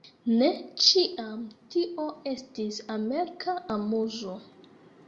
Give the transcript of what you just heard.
Ne ĉiam tio estis amerika amuzo.